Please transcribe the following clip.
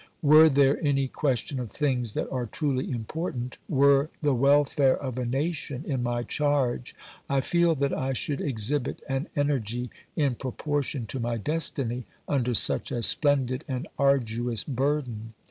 Were there any question of things that are truly important, were the welfare of a nation in my charge, I feel that I should exhibit an energy in proportion to my destiny, under such a splendid and arduous burden.